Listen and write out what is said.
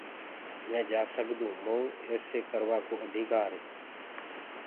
مي جآ سگدونٚ مئونٚ ايسيٚ ڪروآ ڪو اڌيڪآر هي